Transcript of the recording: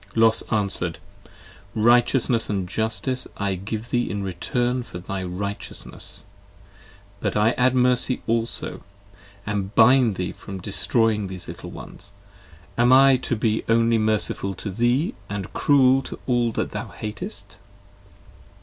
Los answer'd. Righteousness & justice I give thee in return 20 For thy righteousness; but I add mercy also, and bind Thee from destroying these little ones; am I to be only Merciful to thee and cruel to all that thou hatest?